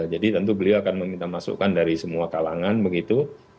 jadi tentu beliau akan meminta masukan dari semua kalangan begitu